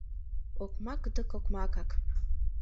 Окмак дык окмакак...